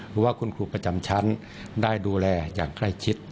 เพราะว่าคุณครูประจำชั้นได้ดูแลอย่างใกล้ชิด